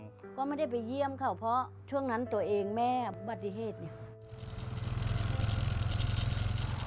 ก็ไม่ได้ไปเยี่ยมเขาเพราะว่าโทรเองแม่บัตรย์เทศอยู่